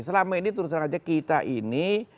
selama ini terus terusan kita ini